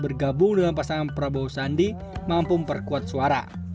bergabung dengan pasangan prabowo sandi mampu memperkuat suara